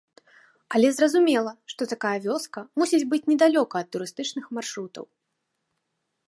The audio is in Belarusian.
Але зразумела, што такая вёска мусіць быць недалёка ад турыстычных маршрутаў.